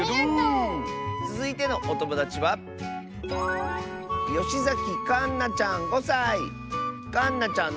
つづいてのおともだちはかんなちゃんの。